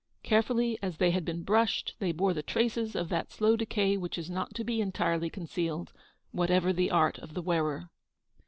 Carefully as they had been brushed, they bore the traces of that slow decay which is not to be entirely concealed, whatever the art of the wearer.